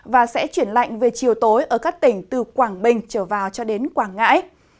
và sẽ chuyển lạnh về chiều tối ở các tỉnh từ quảng bình trở vào cho đến quảng ngãi